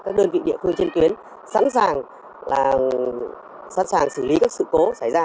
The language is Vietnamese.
các đơn vị địa phương trên tuyến sẵn sàng xử lý các sự cố xảy ra